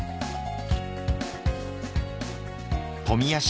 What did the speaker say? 富谷市